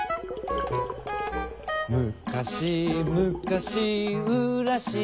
「むかしむかしうらしまは」